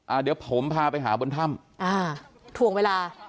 อ้าเดี๋ยวผมพาไปหาบนถ้ำทวงเวลา